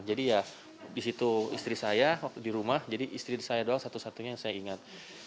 jadi ya di situ istri saya di rumah jadi istri saya doang satu satunya yang saya ingat